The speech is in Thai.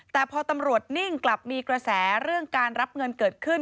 แต่พอตำรวจนิ่งกลับมีกระแสเรื่องการรับเงินเกิดขึ้น